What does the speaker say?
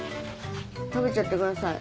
食べちゃってください。